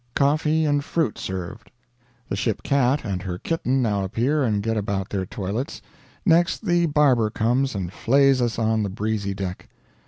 Coffee and fruit served. The ship cat and her kitten now appear and get about their toilets; next the barber comes and flays us on the breezy deck.